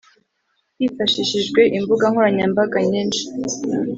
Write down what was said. Hifashishijwe Imbuga nkoranyambaga, nyinshi